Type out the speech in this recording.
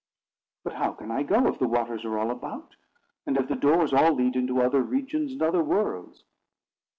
"But how can I go, if the waters are all about, and if the doors all lead into other regions and other worlds?"